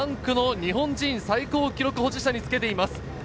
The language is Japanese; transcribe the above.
３区の日本人最高記録保持者につけています。